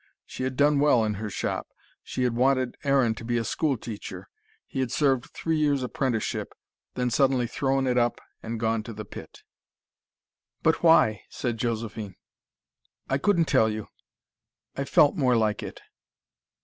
She had done well in her shop. She had wanted Aaron to be a schoolteacher. He had served three years apprenticeship, then suddenly thrown it up and gone to the pit. "But why?" said Josephine. "I couldn't tell you. I felt more like it."